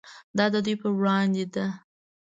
دا د دوی په وړاندې ده.